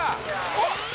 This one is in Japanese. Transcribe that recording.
・おっ！